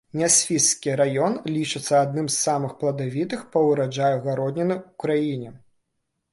Нясвіжскі раён лічыцца адным з самых пладавітых па ўраджаю гародніны ў краіне.